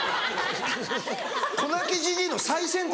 子泣きじじいの最先端